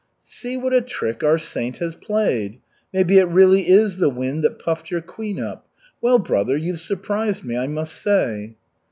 "See what a trick our saint has played. Maybe it really is the wind that puffed your queen up. Well, brother, you've surprised me, I must say."